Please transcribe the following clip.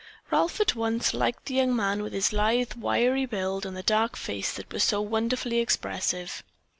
Ralph at once liked the young man with the lithe, wiry build and the dark face that was so wonderfully expressive.